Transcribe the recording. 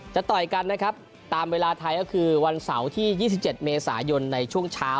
ต่อยกันนะครับตามเวลาไทยก็คือวันเสาร์ที่๒๗เมษายนในช่วงเช้า